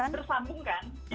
karena bersambung kan